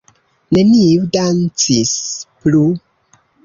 Neniu dancis plu.